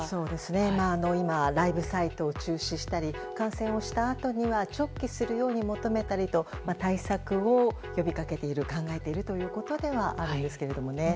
今、ライブサイトを中止したり感染したあとには直帰するように求めたりと対策を呼びかけている考えているということではあるんですけどもね。